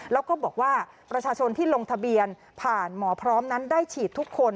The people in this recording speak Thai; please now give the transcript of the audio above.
แล้วก็บอกว่าประชาชนที่ลงทะเบียนผ่านหมอพร้อมนั้นได้ฉีดทุกคน